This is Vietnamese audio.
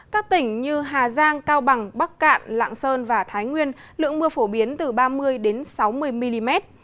các tỉnh như hà giang cao bằng bắc cạn lạng sơn và thái nguyên lượng mưa phổ biến từ ba mươi sáu mươi mm